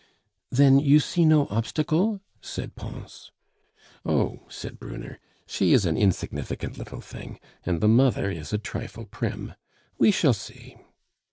"Then you see no obstacle?" said Pons. "Oh!" said Brunner, "she is an insignificant little thing, and the mother is a trifle prim. We shall see."